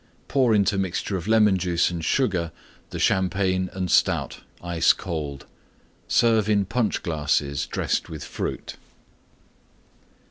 Pour into mixture of Lemon Juice and Sugar the Champagne and Stout, ice cold. Serve in Punch glasses dressed with Fruit.